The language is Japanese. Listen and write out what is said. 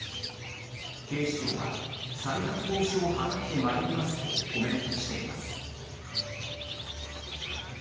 警視庁は再発防止を図ってまいりますとコメントしています。